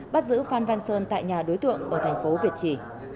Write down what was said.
bắt giữ phan văn sơn tại nhà đối tượng ở tp việt trì